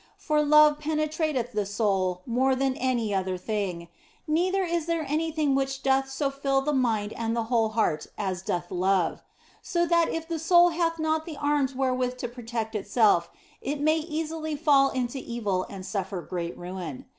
For love penetrateth the soul more than any other thing, neither is there anything which doth so fill the mind and the whole heart as doth love ; so that if the soul hath not the arms wherewith to protect itself, it may easily fall into evil and suffer great ruin.